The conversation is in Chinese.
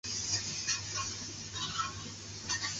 犹他曼泰圣殿被列入美国国家史迹名录。